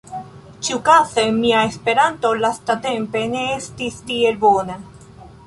Ĉiuokaze mia Esperanto lastatempe ne estis tiel bona